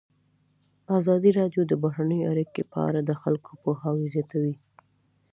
ازادي راډیو د بهرنۍ اړیکې په اړه د خلکو پوهاوی زیات کړی.